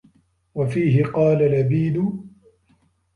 وَفِيهِ قَالَ لَبِيدٌ